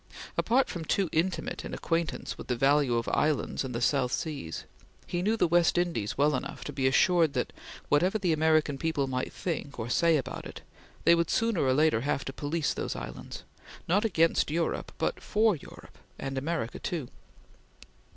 Apart from too intimate an acquaintance with the value of islands in the South Seas, he knew the West Indies well enough to be assured that, whatever the American people might think or say about it, they would sooner or later have to police those islands, not against Europe, but for Europe, and America too.